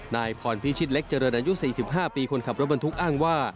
นายพรพิชิตเล็กเจริญอายุ๔๕ปีคนขับรถบรรทุกอ้างว่า